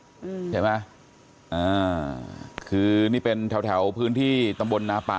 ใช่ไหมอ่าคือนี่เป็นแถวแถวพื้นที่ตำบลนาป่า